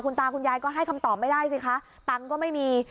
ตาคุณยายก็ให้คำตอบไม่ได้สิคะตังค์ก็ไม่มี